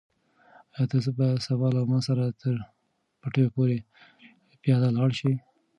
آیا ته به سبا له ما سره تر پټیو پورې پیاده لاړ شې؟